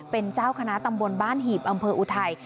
เป็นเจ้าคณะตำบลบ้านหีบอำเภออุทัย